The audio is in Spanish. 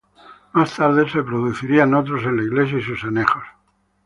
Más tarde se producirían otros en la iglesia y sus anejos.